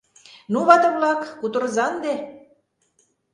— Ну, вате-влак, кутырыза ынде.